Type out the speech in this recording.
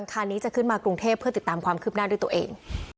คันนี้จะขึ้นมากรุงเทพเพื่อติดตามความคืบหน้าด้วยตัวเอง